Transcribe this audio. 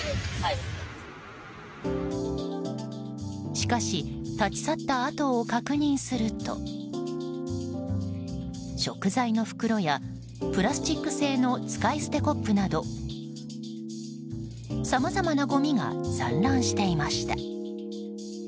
しかし、立ち去った跡を確認すると食材の袋や、プラスチック製の使い捨てコップなどさまざまなごみが散乱していました。